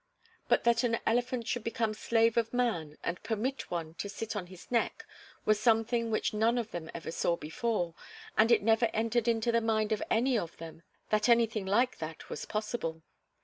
But that an elephant should become slave of man and permit one to sit on his neck was something which none of them ever saw before, and it never entered into the mind of any of them that anything like that was possible.